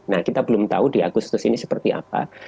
nah kita belum tahu di agustus ini seperti apa